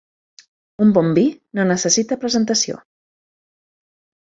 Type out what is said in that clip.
Un bon vi no necessita presentació.